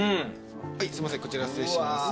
すいませんこちら失礼します。